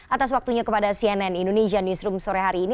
atas waktunya kepada cnn indonesia newsroom sore hari ini